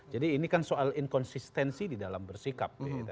jadi ini kan soal inkonsistensi di dalam bersikap